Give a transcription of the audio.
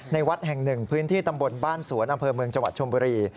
วัดแห่งหนึ่งพื้นที่ตำบลบ้านสวนอำเภอเมืองจังหวัดชมบุรี